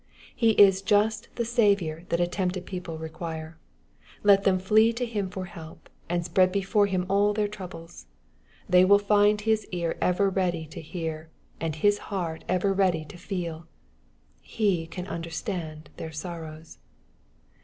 — He is just the Saviour that a tempted people require. Let tnem flee to Him for help, and spread before Him all their troubles. They will find His ear ever ready to hear, and His heart ever ready to feeL He can understand their sorrows.